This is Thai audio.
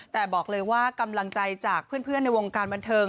แต่บอกเลยว่ากำลังใจจากเพื่อนในวงการบันเทิง